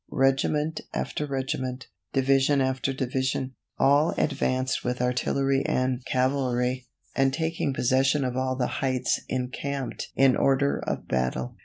Regiment after regiment, division after division, all advanced with artillery and cavalry, and taking possession of all the heights encamped in order of battle.